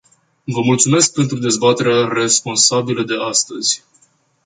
Vă mulțumesc pentru dezbaterea responsabilă de astăzi.